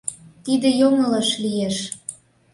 Тиде йоҥылыш лиеш.